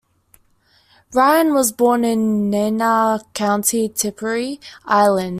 Ryan was born at Nenagh, County Tipperary, Ireland.